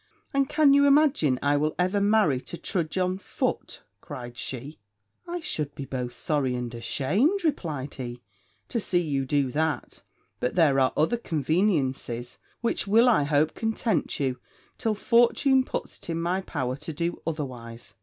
'And can you imagine I will ever marry to trudge on foot?' cried she. 'I should be both sorry and ashamed,' replied he, 'to see you do that; but there are other conveniences, which will, I hope, content you, till fortune puts it in my power to do otherwise.'